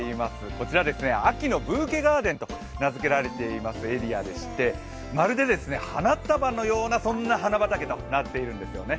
こちら、秋のブーケガーデンと名付けられていますエリアでしてまるで花束のような花畑となっているんですよね。